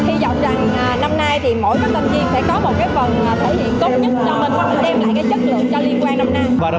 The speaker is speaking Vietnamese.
hy vọng rằng năm nay thì mỗi các tâm viên sẽ có một phần thể hiện tốt nhất